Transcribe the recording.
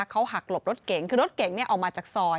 เขาหักหลบรถเก๋งคือรถเก๋งออกมาจากซอย